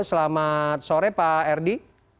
selamat sore pak erdi